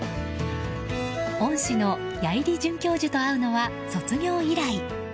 恩師の矢入准教授と会うのは卒業以来。